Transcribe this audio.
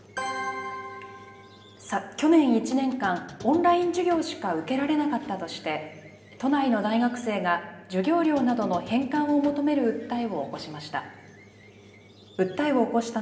去年１年間、オンライン授業しか受けられなかったとして、都内の大学生が授業料などの返還を求める訴えを起こしました。